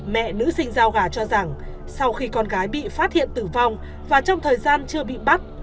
mẹ nữ sinh giao gà cho rằng sau khi con gái bị phát hiện tử vong và trong thời gian chưa bị bắt